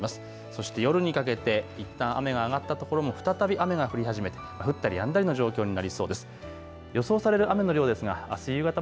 そして夜にかけていったん雨が上がったところも再び雨が降り始めて降ったりやんだりの状況になりそうです。